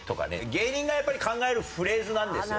芸人がやっぱり考えるフレーズなんですよね